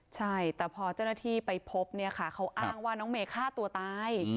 ใช่แต่พอเจ้าหน้าที่ไปพบเนี่ยค่ะเขาอ้างว่าน้องเมย์ฆ่าตัวตาย